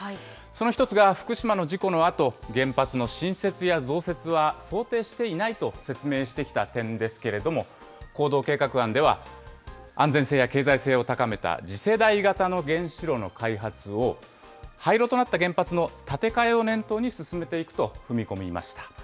その１つが福島の事故のあと、原発の新設や増設は、想定していないと説明してきた点ですけれども、行動計画案では、安全性や経済性を高めた次世代型の原子炉の開発を、廃炉となった原発の建て替えを念頭に進めていくと踏み込みました。